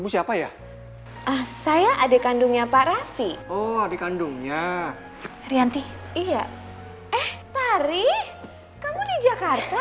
hari kamu di jakarta